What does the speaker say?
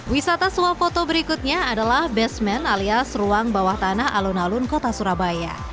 wisata suap foto berikutnya adalah basement alias ruang bawah tanah alun alun kota surabaya